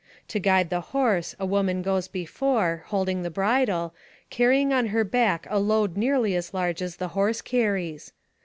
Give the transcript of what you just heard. To guide the horse a woman goes before, holding the bridle, carry ing on her back a load nearly as large as the horse carries.